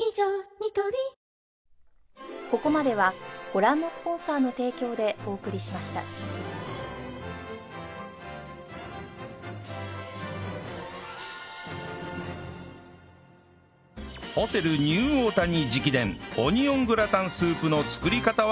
ニトリホテルニューオータニ直伝オニオングラタンスープの作り方は